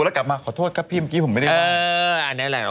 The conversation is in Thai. แล้วกลับมาขอโทษครับพี่เมื่อกี้ผมไม่ได้ไหว้